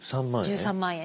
１３万円。